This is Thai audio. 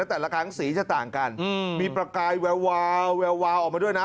แต่ละครั้งสีจะต่างกันมีประกายแววออกมาด้วยนะ